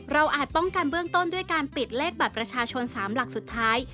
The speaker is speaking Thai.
อาจป้องกันเบื้องต้นด้วยการปิดเลขบัตรประชาชน๓หลักสุดท้าย